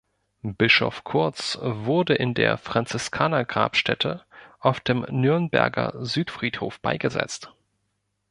Bischof Kurz wurde in der Franziskaner-Grabstätte auf dem Nürnberger Südfriedhof beigesetzt.